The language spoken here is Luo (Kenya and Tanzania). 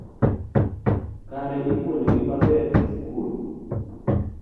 Kare ipuonjogi maber e sikul